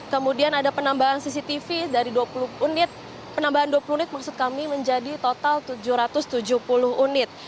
kemudian ada penambahan cctv dari dua puluh unit penambahan dua puluh unit maksud kami menjadi total tujuh ratus tujuh puluh unit